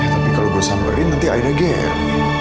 tapi kalau gue samperin nanti aida ger